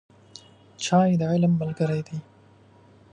چای د علم ملګری دی